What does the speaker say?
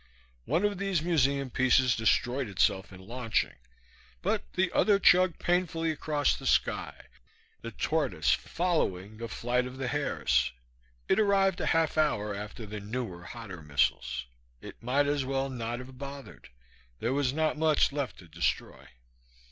One of these museum pieces destroyed itself in launching, but the other chugged painfully across the sky, the tortoise following the flight of the hares. It arrived a full half hour after the newer, hotter missiles. It might as well not have bothered. There was not much left to destroy.